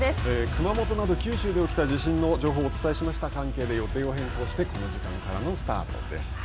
熊本など九州で起きた地震の情報をお伝えした関係で予定を変更してこの時間からのスタートです。